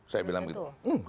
saya bilang begitu